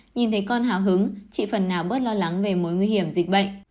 nhìn thấy con hào hứng chị phần nào bớt lo lắng về mối nguy hiểm dịch bệnh